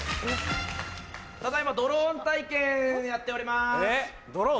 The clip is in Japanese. ・ただ今ドローン体験やっております・えっドローン？